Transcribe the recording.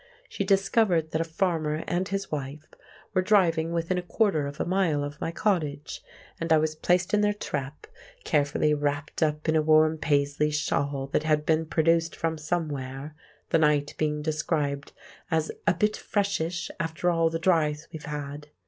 She discovered that a farmer and his wife were driving within a quarter of a mile of my cottage, and I was placed in their trap, carefully wrapped up in a warm Paisley shawl that had been produced from somewhere, the night being described as "a bit freshish, after all the dryth we've had."